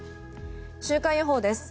週間予報です。